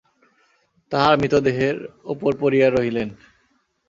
তাঁহার মৃতদেহের উপর পড়িয়া রহিলেন।